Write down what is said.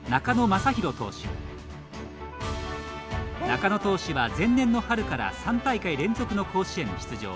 中野投手は前年の春から３大会連続の甲子園出場。